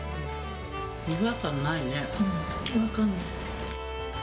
違和感ないね。